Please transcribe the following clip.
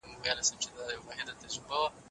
په تجارت کي له دوکي ډډه وکړئ.